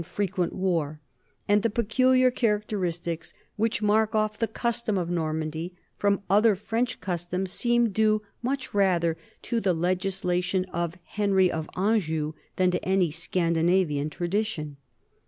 THE COMING OF THE NORTHMEN 49 frequent war; and the peculiar characteristics which mark off the custom of Normandy from other French customs seem due much rather to the legislation of Henry of Anjou than to any Scandinavian tradition.